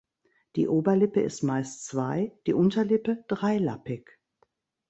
Die Oberlippe ist meist zwei-, die Unterlippe dreilappig.